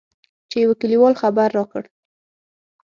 چې يوه کليوال خبر راکړ.